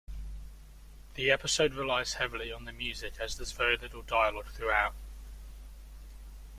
The episode relies heavily on the music as there's very little dialogue throughout.